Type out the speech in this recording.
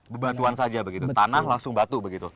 bebatuan saja begitu tanah langsung batu begitu